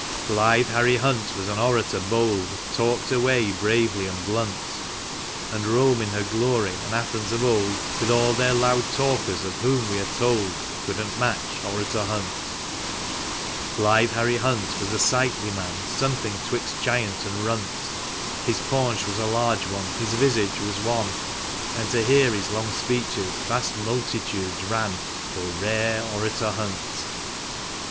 i. Blithe Harry Hunt was an orator bold — Talked away bravely and blunt ; And Rome in her glory, and Athens of old, With all their loud talkers, of whom we are told, Couldn't match Orator Hunt ! II. Blithe Harry Hunt was a sightly man Something 'twixt giant and runt ; His paunch was a large one, his visage was wan, And to hear his long speeches vast multitudes ran, O rare Orator Hunt